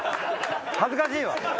恥ずかしいわ！